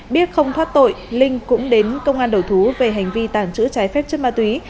biết không thoát tội linh cũng đến công an đầu thú về hành vi tàng trữ trái phép chất ma túy